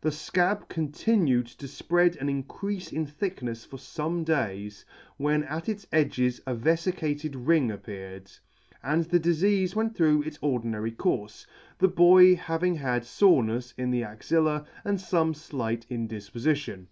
The fcab continued to fpread and increafe in thicknefs for fome days* when at its edges a veficated ring appeared, and the difeafe went through its ordinary courfe, the boy having had' forenel's in the axilla, and fome flight indifpofition.